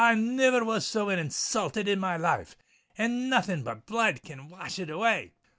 I niver was so insulthed in my life—and nothing but blood can wash it away!"